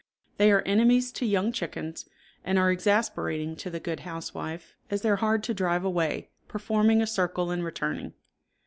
They are enemies to young chickens, and are exasperating to the good housewife, as they are hard to drive away, performing a circle and returning.